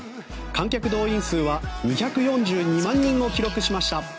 観客動員数は２４２万人を記録しました。